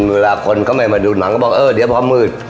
เวลาคนเข้ามาดูหนังเขาก็บอกเออเดี๋ยวเพราะมืด